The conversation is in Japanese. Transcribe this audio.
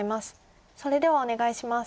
それではお願いします。